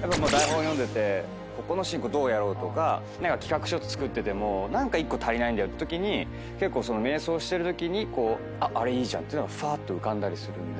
台本読んでてここのシーンどうやろうとか企画書作ってても何か１個足りないんだよってときに結構瞑想してるときにあれいいじゃんっていうのがふぁーっと浮かんだりするんで。